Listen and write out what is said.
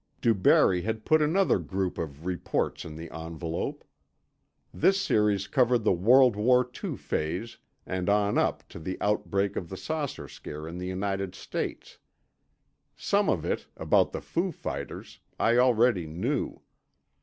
DuBarry had put another group of reports in the envelope; this series covered the World War II phase and on up to the outbreak of the saucer scare in the United States. Some of it, about the foo fighters, I already knew.